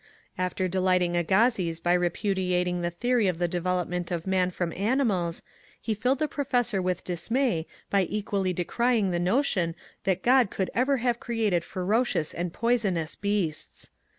After delighting Agassiz by repudiating the theory of the development of man from ani mals, he filled the professor with dismay by equally decrying the notion that God could ever have created ferocious and poisonous beasts.